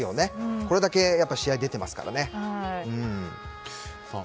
これだけ試合に出ていますから。